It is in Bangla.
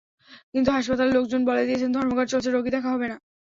কিন্তু হাসপাতালের লোকজন বলে দিয়েছেন ধর্মঘট চলছে, রোগী দেখা হবে না।